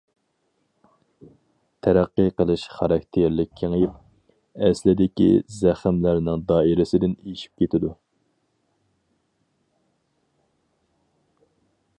تەرەققىي قىلىش خاراكتېرلىك كېڭىيىپ، ئەسلىدىكى زەخىملەرنىڭ دائىرىسىدىن ئېشىپ كېتىدۇ.